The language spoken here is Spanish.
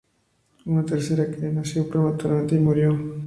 Una tercera cría nació prematuramente y murió.